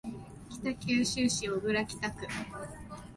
北九州市小倉北区